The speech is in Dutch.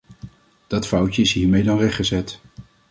Dat foutje is hiermee dan rechtgezet.